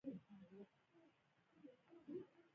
خلګ په دې حالت کې واده نه کوي او واده نه کوي.